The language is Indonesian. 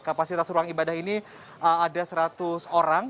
kapasitas ruang ibadah ini ada seratus orang